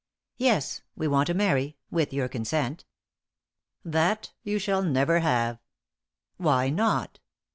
"Yes; we want to marry with your consent." "That you shall never have." "Why not?"